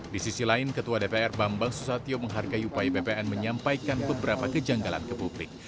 di sisi lain ketua dpr bambang susatyo menghargai upaya bpn menyampaikan beberapa kejanggalan ke publik